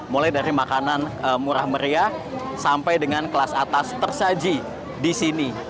mulai dari makanan murah meriah sampai dengan kelas atas tersaji di sini